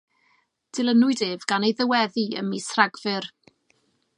Dilynwyd ef gan ei ddyweddi ym mis Rhagfyr.